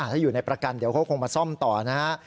ถ้าอยู่ในประกันเดี๋ยวเขาคงมาซ่อมต่อนะฮะ